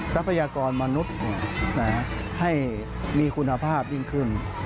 ทรัพยากรมนุษย์ให้มีคุณภาพยิ่งขึ้น